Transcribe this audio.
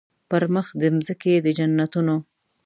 پر مخ د مځکي د جنتونو